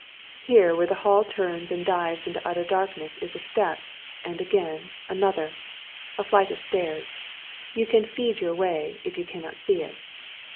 Here where the hall turns and dives into utter darkness is a step, and anothei', anotlier. A flight of stairs, Yoh can feel your way, if you cannot see it.